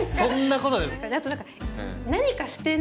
あと何か。